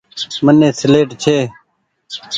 مني سيليٽ ڇي۔